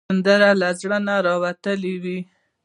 سندره له زړه نه راوتلې وي